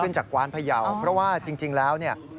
ขึ้นจากกวานพยาวเพราะว่าจริงแล้ว